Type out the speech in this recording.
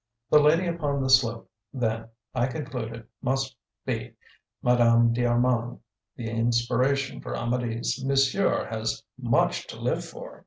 The lady upon the slope, then, I concluded, must be Madame d'Armand, the inspiration of Amedee's "Monsieur has much to live for!"